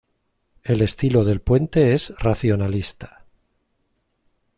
El estilo del puente es racionalista.